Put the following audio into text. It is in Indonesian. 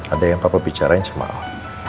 ada yang papa bicarain sama al